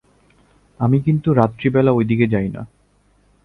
আমি কিন্তু রাত্রিবেলা ওইদিকে যাই না।